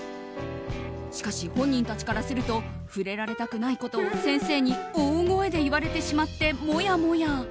しかし、本人たちからすると触れられたくないことを先生に大声で言われてしまってもやもや。